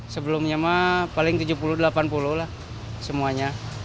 sebelumnya mah paling tujuh puluh delapan puluh lah semuanya